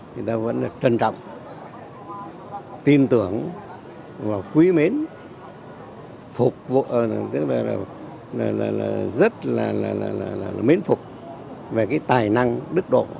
chúng ta vẫn trân trọng tin tưởng và quý mến rất là mến phục về cái tài năng đức độ